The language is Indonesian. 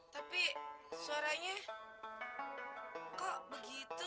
tapi suaranya kok begitu